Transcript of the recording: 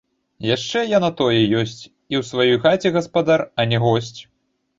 Яшчэ я на тое ёсць, і ў сваёй хаце гаспадар, а не госць!